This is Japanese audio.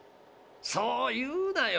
そう言うなよ。